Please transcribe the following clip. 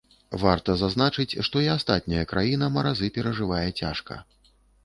Варта зазначыць, што і астатняя краіна маразы перажывае цяжка.